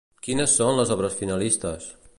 Quines són les obres finalistes?